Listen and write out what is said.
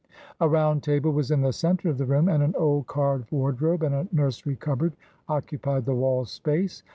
A round table was in the centre of the room, and an old carved wardrobe and a nursery cupboard occupied the wall space.